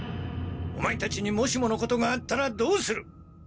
オマエたちにもしものことがあったらどうする！